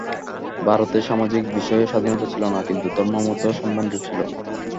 ভারতে সামাজিক বিষয়ে স্বাধীনতা ছিল না, কিন্তু ধর্মমত সম্বন্ধে ছিল।